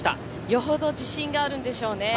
よほど自信があるんでしょうね。